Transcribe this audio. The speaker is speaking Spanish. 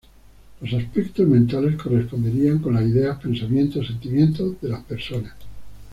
Los aspectos mentales corresponderían con las ideas, pensamientos, sentimientos de las personas.